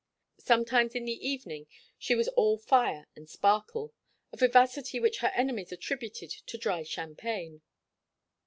Sometimes in the evening she was all fire and sparkle, a vivacity which her enemies attributed to dry champagne.